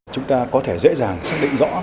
chúng ta có thể dễ dàng xác định rõ